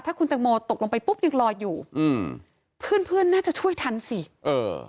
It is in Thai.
ถ้าคุณแตงโมตกลงไปปุ๊บยังลอยอยู่อืมเพื่อนเพื่อนน่าจะช่วยทันสิเออ